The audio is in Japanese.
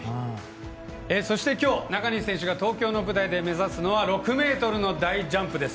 そして、きょう中西選手が東京の舞台で目指すのは６ｍの大ジャンプです。